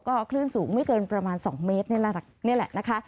ก็คลื่นสูงไม่เกินประมาณ๒เมตรนี่แหละนี่แหละนะคะ